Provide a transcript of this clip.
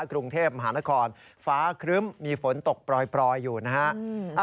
กรุงเทพมหานครฟ้าครึ้มมีฝนตกปล่อยอยู่นะฮะ